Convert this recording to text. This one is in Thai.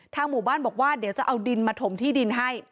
หมู่บ้านบอกว่าเดี๋ยวจะเอาดินมาถมที่ดินให้